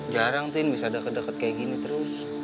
jarang tin bisa ada kedeket kayak gini terus